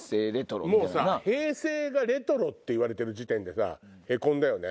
平成がレトロって言われてる時点でヘコんだよね。